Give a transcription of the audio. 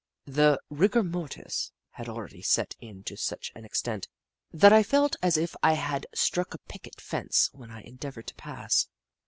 The rigor mortis had already set in to such an extent that I felt as if I had struck a picket fence when I endeavoured to pass.